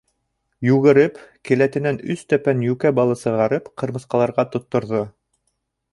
Йүгереп, келәтенән өс тәпән йүкә балы сығарып, ҡырмыҫҡаларға тотторҙо.